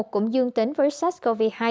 cũng dương tính với sars cov hai